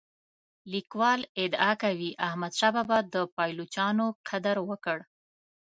لیکوال ادعا کوي احمد شاه بابا د پایلوچانو قدر وکړ.